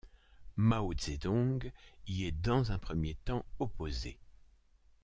Mao Zedong y est dans un premier temps opposé.